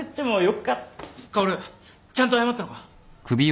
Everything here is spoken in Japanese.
薫ちゃんと謝ったのか？